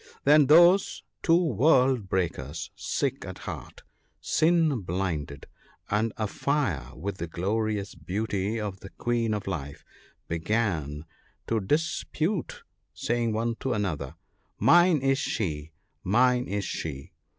Then those two world breakers, sick at heart, sin blinded, and afire with the glorious beauty of the Queen of Life — began to dispute,, saying one to another :' Mine is she ! mine is she